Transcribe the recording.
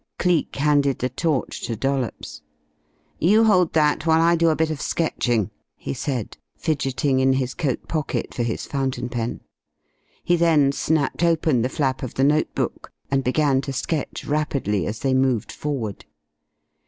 Cleek handed the torch to Dollops. "You hold that while I do a bit of sketching," he said, fidgeting in his coat pocket for his fountain pen. He then snapped open the flap of the note book and began to sketch rapidly as they moved forward.